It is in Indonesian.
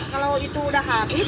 saat kalau itu sudah habis